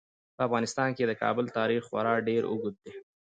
په افغانستان کې د کابل تاریخ خورا ډیر اوږد دی.